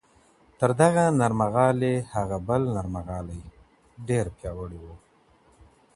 تر دغه نرمغالي هغه بل نرمغالی ډېر پیاوړی و.